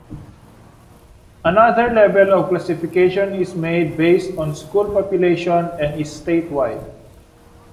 Another level of classification is made based on school population and is statewide.